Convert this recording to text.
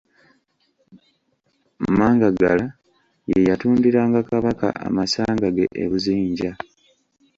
Mangagala ye yatundiranga Kabaka amasanga ge e Buzinja.